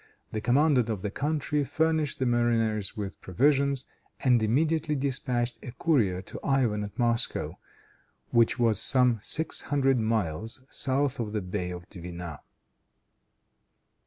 The commandant of the country furnished the mariners with provisions, and immediately dispatched a courier to Ivan at Moscow, which was some six hundred miles south of the Bay of Dwina.